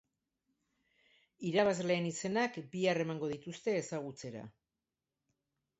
Irabazleen izenak bihar emango dituzte ezagutzera.